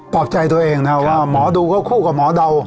รอบใจตัวเองนะครับว่าหมอดูก็คู่กับหมอเดา